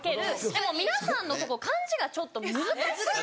でも皆さんのとこ漢字がちょっと難しい。